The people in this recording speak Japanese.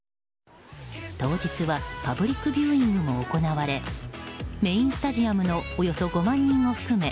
当日はパブリックビューイングも行われメインスタジアムのおよそ５万人を含め